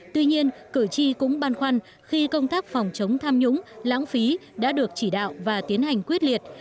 tuy nhiên cử tri cũng băn khoăn khi công tác phòng chống tham nhũng lãng phí đã được chỉ đạo và tiến hành quyết liệt